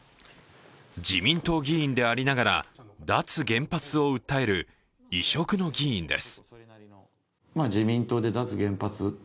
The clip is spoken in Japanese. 自民党議員でありながら脱原発を訴える異色の議員です。